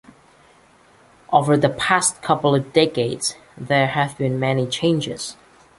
Over the past couple of decades, there have been many changes.